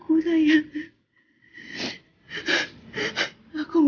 aku juga udah sakit